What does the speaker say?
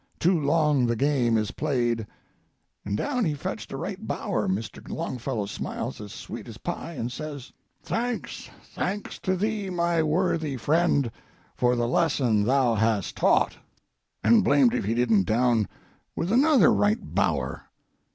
Too long the game is played!' —and down he fetched a right bower. Mr. Longfellow smiles as sweet as pie and says: "'Thanks, thanks to thee, my worthy friend, For the lesson thou hast taught,' —and blamed if he didn't down with another right bower!